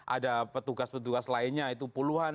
ada petugas petugas lainnya itu puluhan